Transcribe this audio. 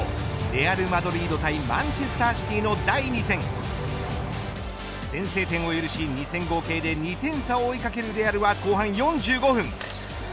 レアルマドリード対マンチェスター・シティの第２戦先制点を許し２戦合計で２点差を追い掛けるレアルは後半４５分